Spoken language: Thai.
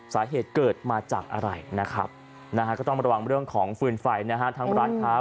สาเหตุเกิดมาจากอะไรนะครับก็ต้องระวังเรื่องของฟืนไฟนะฮะทั้งร้านค้า